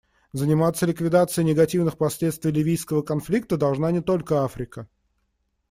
Заниматься ликвидацией негативных последствий ливийского конфликта должна не только Африка.